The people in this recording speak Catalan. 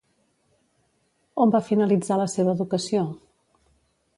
On va finalitzar la seva educació?